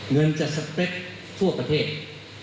เงินจะสเปร็จทั่วประเทศ